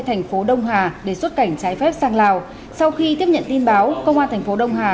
tp đông hà để xuất cảnh trái phép sang lào sau khi tiếp nhận tin báo công an tp đông hà